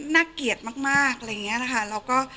น่าเกลียดมากอะไรอย่างนี้นะคะ